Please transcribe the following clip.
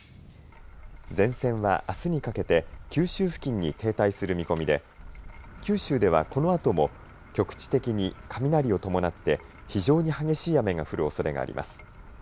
前線はあすにかけて九州付近に停滞する見込みで九州ではこのあとも局地的に雷を伴って非常に激しい雨が降るおそれがあります。